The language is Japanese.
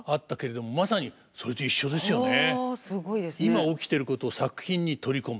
今起きてることを作品に取り込む。